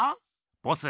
ボス